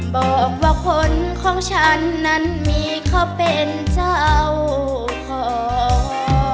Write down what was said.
บอกว่าคนของฉันนั้นมีเขาเป็นเจ้าของ